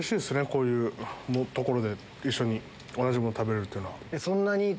こういう所で一緒に同じもの食べるのは。